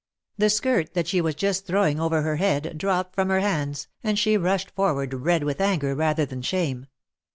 The skirt that she was just throwing over her head dropped from her hands, and she rushed forward red with anger rather than shame.